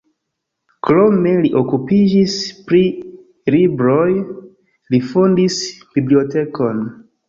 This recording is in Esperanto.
Krome li okupiĝis pri libroj, li fondis bibliotekon.